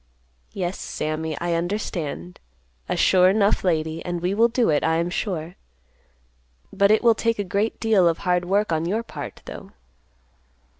"Yes, Sammy. I understand, a 'sure enough' lady, and we will do it, I am sure. But it will take a great deal of hard work on your part, though."